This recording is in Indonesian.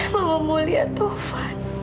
mama mau lihat tuhan